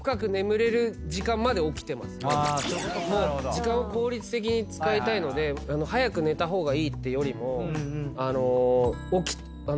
時間を効率的に使いたいので早く寝た方がいいってよりも。